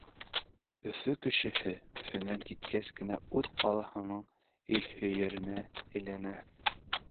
Өфө кешеһе Өфөнән киткәс кенә үҙ ҡалаһының илһөйәренә әйләнә.